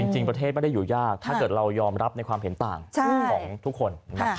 จริงประเทศไม่ได้อยู่ยากถ้าเกิดเรายอมรับในความเห็นต่างของทุกคน